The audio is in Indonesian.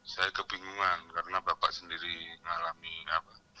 saya kebingungan karena bapak sendiri mengalami apa